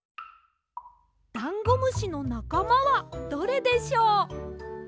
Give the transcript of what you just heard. ダンゴムシのなかまはどれでしょう？